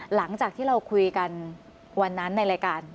หลังจากที่เราคุยกันวันนั้นในรายการ